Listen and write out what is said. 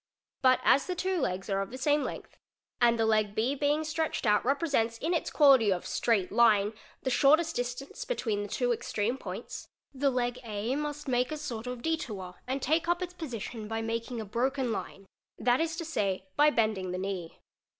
But as the two legs are of the same length, and the leg B being stretched out represents in its quality of "straight line'' the shortest distance between the two extreme points, _ the leg 4 must make a sort of detour and take up its position by making ' a broken line, that is to say, by bending the knee.